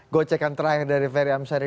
gocekan terakhir dari ferry amsari